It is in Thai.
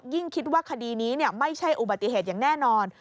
คิดว่าคดีนี้ไม่ใช่อุบัติเหตุอย่างแน่นอน